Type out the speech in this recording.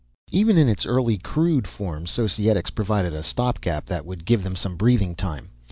"Even in its early, crude form, Societics provided a stopgap that would give them some breathing time.